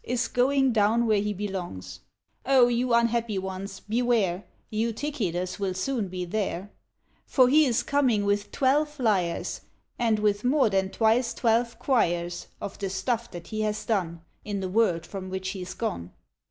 Is going down where he belongs. O you unhappy ones, beware : Eutychides will soon be there ! For he is coming with twelve lyres. And with more than twice twelve quires Of the stufF that he has done In the world from which he's gone.